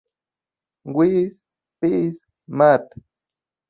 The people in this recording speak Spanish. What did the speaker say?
Wiss., Phys.-Math.